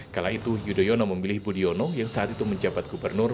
kala itu yudhoyono memilih budiono yang saat itu menjabat gubernur